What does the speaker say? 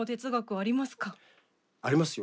ありますよ。